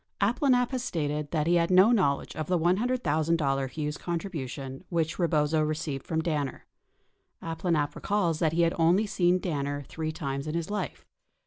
46 Abplanalp has stated that he had no knowledge of the $100,000 Hughes contribution which Rebozo received from Danner. Abplanalp recalls that he has only seen Danner three times in his life.